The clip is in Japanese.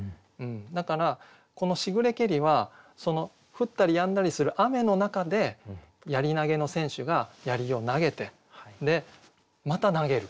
だからこの「しぐれけり」は降ったりやんだりする雨の中で槍投げの選手が槍を投げてまた投げる。